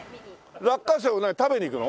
落花生を食べに行くの？